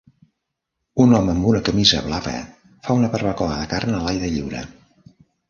Un home amb una camisa blava fa una barbacoa de carn a l'aire lliure.